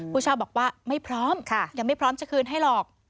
ผู้เช่าบอกว่าไม่พร้อมยังไม่พร้อมจะคืนให้หรอก